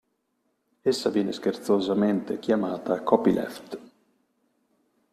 Essa viene scherzosamente chiamata copyleft.